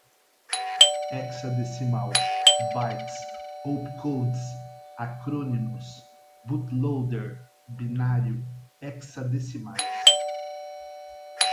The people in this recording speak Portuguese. Hexadecimal, bytes, opcodes, acrônimos, bootloader, binário, hexadecimais